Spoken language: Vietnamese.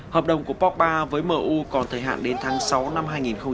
hợp đồng của pol pot ba với m u còn thời hạn đến tháng sáu năm hai nghìn hai mươi một